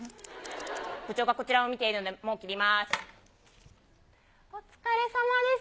部長がこちらを見ているんで、もう切ります。